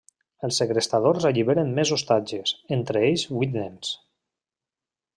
Els segrestadors alliberen més ostatges, entre ells vuit nens.